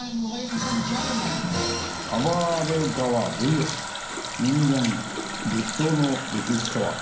「暴れ川ｖｓ．人間激闘の歴史とは？」。